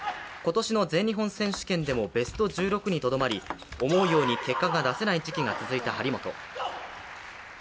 今年の全日本選手権でもベスト１６にとどまり思うように結果が出せない時期が続いた張本。